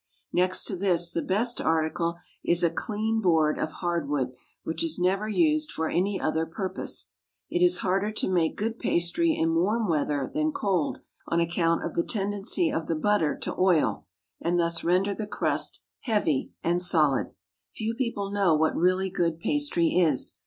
Next to this, the best article is a clean board of hard wood, which is never used for any other purpose. It is harder to make good pastry in warm weather than cold, on account of the tendency of the butter to oil, and thus render the crust heavy and solid. Few people know what really good pastry is.